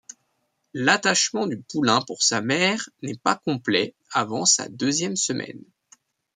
L’attachement du poulain pour sa mère n’est pas complet avant sa deuxième semaine.